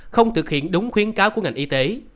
không thực hiện đúng khuyến cáo của ngành y tế